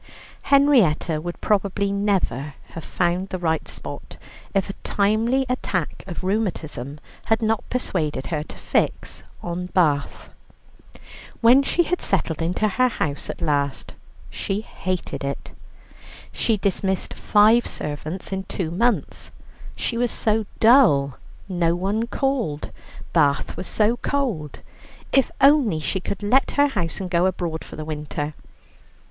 Henrietta would probably never have found the right spot, if a timely attack of rheumatism had not persuaded her to fix on Bath. When she had settled into her house at last, she hated it. She dismissed five servants in two months. She was so dull, no one called; Bath was so cold. If only she could let her house and go abroad for the winter.